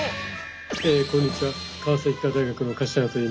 こんにちは川崎医科大学の柏原といいます。